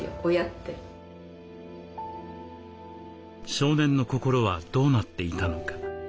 少年の心はどうなっていたのか。